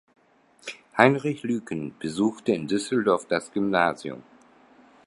Heinrich Luyken besuchte in Düsseldorf das Gymnasium.